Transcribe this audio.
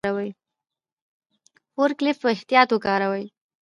فورک لیفټ په احتیاط وکاروئ.